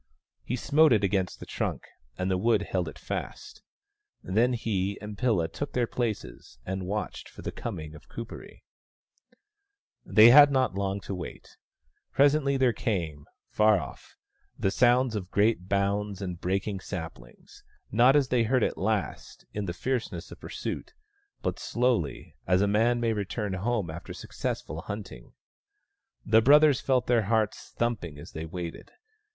He smote it against the trunk, and the wood held it fast. Then he and Pilla took their places, and watched for the coming of Kuperee. They had not long to wait. Presently came, far off, the sound of great bounds and breaking saplings ; not, as they had heard it last, in the fierceness of pursuit, but slowly, as a man may return home after successful hunting. The brothers felt their hearts thumping as they waited.